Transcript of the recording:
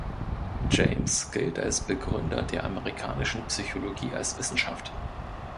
James gilt als Begründer der amerikanischen Psychologie als Wissenschaft.